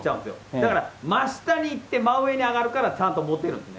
だから、真下に行って真上に上がるからちゃんと持てるんですよ。